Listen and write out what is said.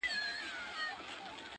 تا مي غریبي راته پیغور کړله ,